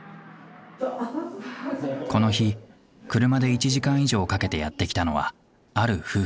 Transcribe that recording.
この日車で１時間以上かけてやって来たのはある夫婦。